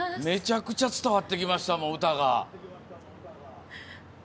めちゃくちゃ伝わってきました、歌が。